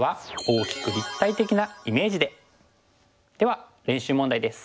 では練習問題です。